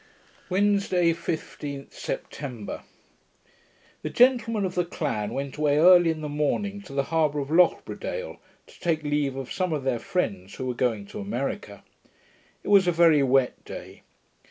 Wednesday, 15th September The gentlemen of the clan went away early in the morning to the harbour of Lochbradale, to take leave of some of their friends who were going to America. It was a very wet day.